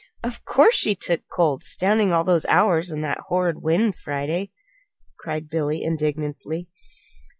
"Of course she took cold standing all those hours in that horrid wind, Friday!" cried Billy, indignantly.